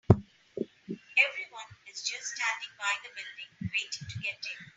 Everyone is just standing by the building, waiting to get in.